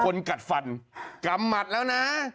กัดฟันกำหมัดแล้วนะ